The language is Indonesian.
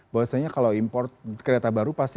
bahwasanya kalau import kereta baru pasti